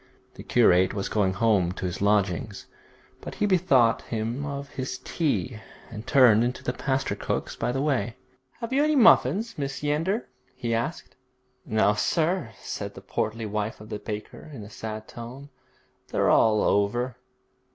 The curate was going home to his lodgings, but he bethought him of his tea, and turned into the pastry cook's by the way. 'Have you any muffins, Mrs. Yeander?' he asked. 'No, sir,' said the portly wife of the baker, in a sad tone, 'they're all over.'